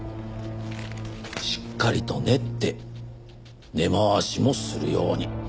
しっかりと練って根回しもするように。